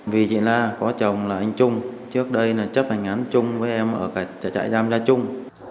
vì chị na có chồng là anh trung trước đây chấp hành án trung với em ở trại giam gia trung